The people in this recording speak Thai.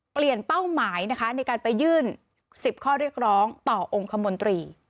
เป้าหมายนะคะในการไปยื่น๑๐ข้อเรียกร้องต่อองค์คมนตรี